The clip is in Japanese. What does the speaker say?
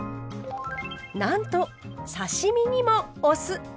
なんと刺身にもお酢。